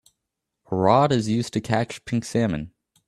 A rod is used to catch pink salmon.